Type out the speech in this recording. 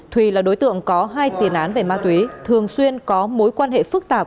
thùy là đối tượng có hai tiền án về ma túy thường xuyên có mối quan hệ phức tạp